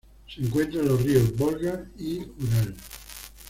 Se encuentra en los ríos Volga y Ural.